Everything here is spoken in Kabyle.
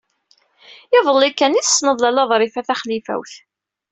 Iḍelli kan ay tessneḍ Lalla Ḍrifa Taxlifawt.